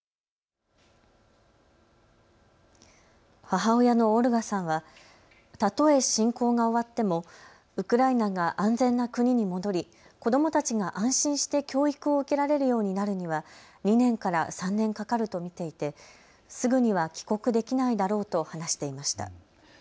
母親のオルガさんはたとえ侵攻が終わってもウクライナが安全な国に戻り子どもたちが安心して教育を受けられるようになるには２年から３年かかると見ていてすぐには帰国できないだろうと話していました。